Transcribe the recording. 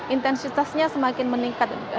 intensitasnya semakin meningkat